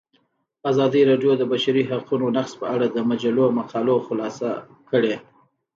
ازادي راډیو د د بشري حقونو نقض په اړه د مجلو مقالو خلاصه کړې.